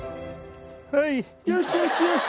はいよしよしよし。